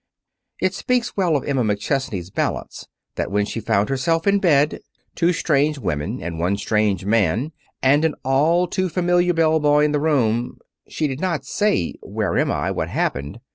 ] It speaks well for Emma McChesney's balance that when she found herself in bed, two strange women, and one strange man, and an all too familiar bell boy in the room, she did not say, "Where am I? What happened?"